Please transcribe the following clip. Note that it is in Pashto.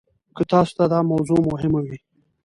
که تاسو ته دا موضوع مهمه وي.